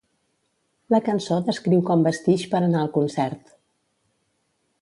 La cançó descriu com vestix per anar al concert.